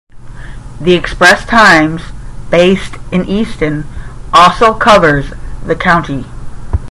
"The Express-Times", based in Easton, also covers the county.